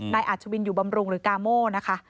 นายอาชวินอยู่บำรุงหรือกาโม่นะคะ